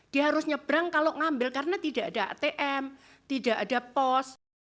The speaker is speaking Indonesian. dia harus nyebrang kalau ngambil karena tidak ada atm tidak ada pos